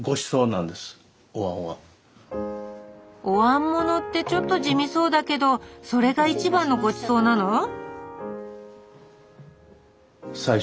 「おわんもの」ってちょっと地味そうだけどそれが一番のごちそうなの？